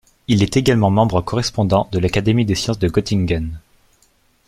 Il est également membre correspondant de l'Académie des Sciences de Göttingen.